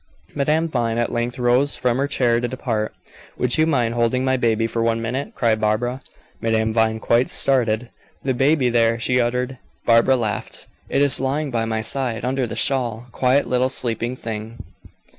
Madame Vine at length rose from her chair to depart. "Would you mind holding my baby for one minute?" cried Barbara. Madame Vine quite started. "The baby there!" she uttered. Barbara laughed. "It is lying by my side, under the shawl, quiet little sleeping thing."